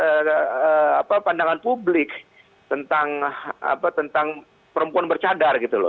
ada pandangan publik tentang perempuan bercadar gitu loh